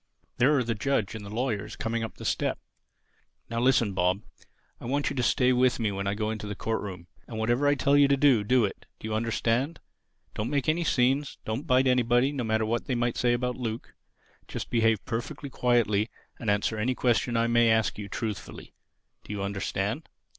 There are the judge and the lawyers coming up the steps. Now listen, Bob: I want you to stay with me when I go into the court room. And whatever I tell you to do, do it. Do you understand? Don't make any scenes. Don't bite anybody, no matter what they may say about Luke. Just behave perfectly quietly and answer any question I may ask you—truthfully. Do you understand?"